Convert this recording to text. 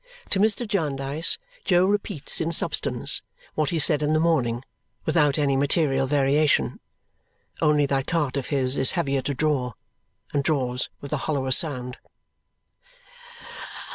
To Mr. Jarndyce, Jo repeats in substance what he said in the morning, without any material variation. Only that cart of his is heavier to draw, and draws with a hollower sound.